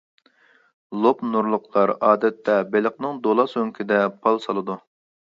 لوپنۇرلۇقلار ئادەتتە بېلىقنىڭ دولا سۆڭىكىدە پال سالىدۇ.